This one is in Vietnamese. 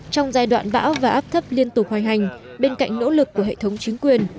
trong giai đoạn bão và áp thấp liên tục hoành hành bên cạnh nỗ lực của hệ thống chính quyền